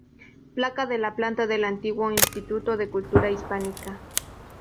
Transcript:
Placa de plata del antiguo Instituto de Cultura Hispánica.